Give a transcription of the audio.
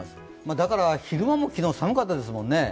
だから昼間も昨日、寒かったですもんね。